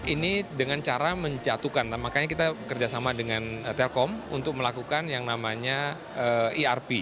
ini dengan cara menjatuhkan makanya kita kerjasama dengan telkom untuk melakukan yang namanya erp